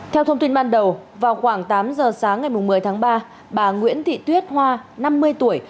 theo thông tin ban đầu vào khoảng tám giờ sáng ngày một mươi tháng ba bà nguyễn thị tuyết hoa năm mươi tuổi